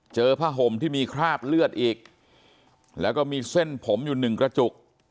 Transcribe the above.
ผ้าห่มที่มีคราบเลือดอีกแล้วก็มีเส้นผมอยู่หนึ่งกระจุก